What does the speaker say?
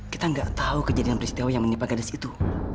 kita nggak tahu kejadian peristiwa yang menimpa gadis itu